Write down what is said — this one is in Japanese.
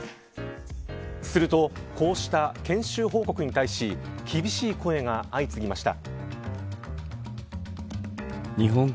すると、こうした研修報告に対し厳しい声が相次ぎました。